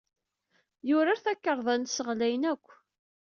Yurar takarḍa-nnes ɣlayen akk.